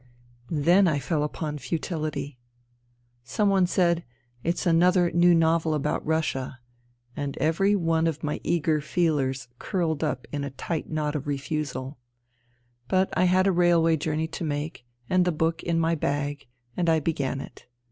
Then I fell uj)on futility ^ Some one said :" It's another n^w : siDveJ abinijt ftirssia'^ — and every one of my eager feelers curled ujp m a tight knot of refusal. But I had a railway journey to make, and the book in my bag — and I began it.